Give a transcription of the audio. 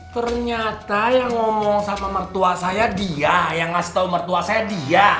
ternyata yang ngomong sama mertua saya dia yang ngasih tahu mertua saya dia